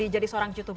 jadi seorang youtuber